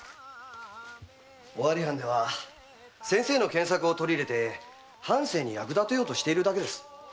尾張藩では先生の献策を取り入れて藩政に役立てようとしているだけです。